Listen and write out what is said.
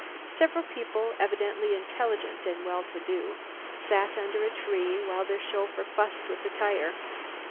Several people, evidently intelligent and well to do, sat under a tree while their chauffeur fussed with a tire.